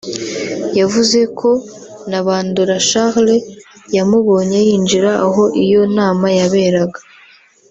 yavuze ko na Bandora Charles yamubonye yinjira aho iyo nama yaberaga